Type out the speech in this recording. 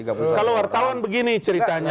kalau wartawan begini ceritanya